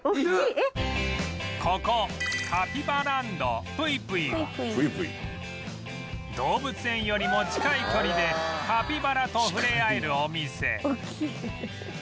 ここカピバランド ＰＵＩＰＵＩ は動物園よりも近い距離でカピバラと触れ合えるお店